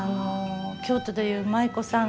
京都でいう舞妓さん